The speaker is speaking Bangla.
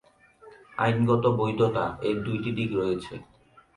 আইনগত বৈধতা: এর দুইটি দিক রয়েছে।